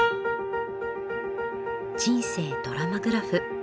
「人生ドラマグラフ」。